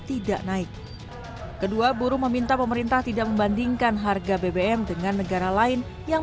tidak naik kedua buruh meminta pemerintah tidak membandingkan harga bbm dengan negara lain yang